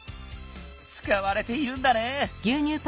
つかわれているんだね。